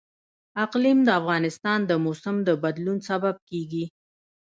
اقلیم د افغانستان د موسم د بدلون سبب کېږي.